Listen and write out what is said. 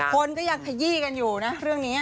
คนก็ยังขยี้กันอยู่นะเรื่องนี้